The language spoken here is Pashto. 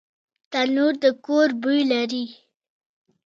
تنور د کور بوی لري